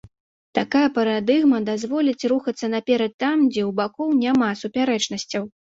Такая парадыгма дазволіць рухацца наперад там, дзе ў бакоў няма супярэчнасцяў.